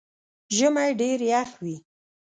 ژمئ ډېر يخ وي